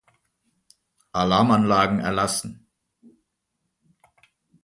Alarmanlagen erlassen.